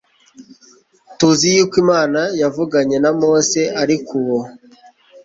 tuzi yuko imana yavuganye na mose ariko uwo